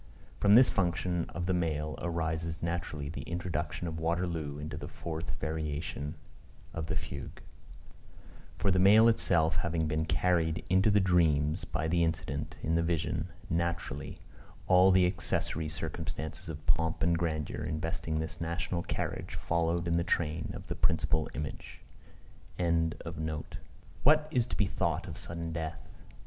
From this function of the mail, arises naturally the introduction of Waterloo into the fourth variation of the Fogue; for the mail itself having been carried into the dreams by the incident in the Vision, naturally all the accessory circumstances of pomp and grandeur investing this national carriage followed in the train of the principal image.] What is to be thought of sudden death?